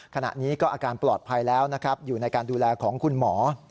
ขณะนี้ก็อาการปลอดภัยแล้วนะครับอยู่ในการดูแลของคุณหมอ